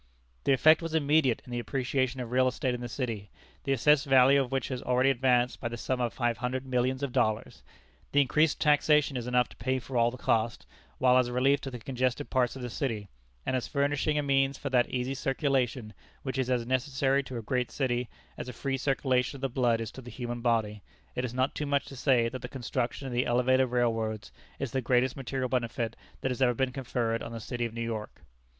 The effect was immediate in the appreciation of real estate in the city, the assessed value of which has already advanced by the sum of five hundred millions of dollars! The increased taxation is enough to pay for all the cost, while as a relief to the congested parts of the city, and as furnishing a means for that easy circulation, which is as necessary to a great city as a free circulation of the blood is to the human body, it is not too much to say that the construction of the elevated railroads is the greatest material benefit that has ever been conferred on the city of New York.